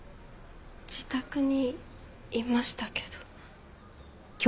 自宅にいましたけど。